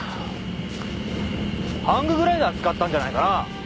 ハンググライダー使ったんじゃないかな？